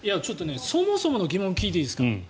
そもそもの疑問を聞いていいですか？